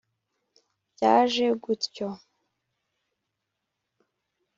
Byaje gutyo